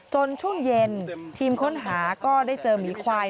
ช่วงเย็นทีมค้นหาก็ได้เจอหมีควาย